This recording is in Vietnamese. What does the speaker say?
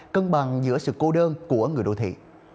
cân bằng giữa sự cô đơn của người đô thị